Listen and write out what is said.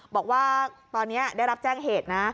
บอกว่าตอนนี้ได้รับแจ้งเหตุนะ